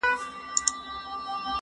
زه شګه نه پاکوم